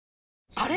あれ？